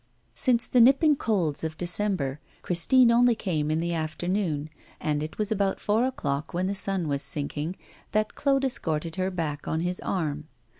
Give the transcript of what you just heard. Since the nipping colds of December, Christine only came in the afternoon, and it was about four o'clock, when the sun was sinking, that Claude escorted her back on his arm.